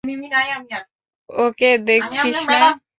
ওকে দেখছিস না?